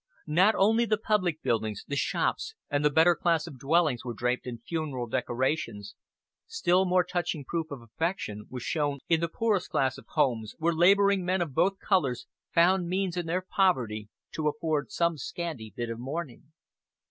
Not only the public buildings, the shops, and the better class of dwellings were draped in funeral decorations; still more touching proof of affection was shown in the poorest class of homes, where laboring men of both colors found means in their poverty to afford some scanty bit of mourning.